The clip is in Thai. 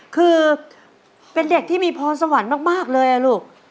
คือเป็นเด็กที่มีพรสวรรค์มากเลยลูก